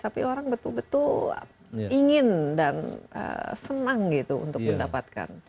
tapi orang betul betul ingin dan senang gitu untuk mendapatkan